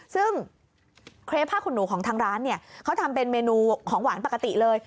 ซึ่งเครปผ้าขนหนูของทางร้านเนี่ยเขาทำเป็นเมนูของหวานปกติเลย